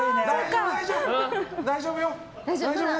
大丈夫よ。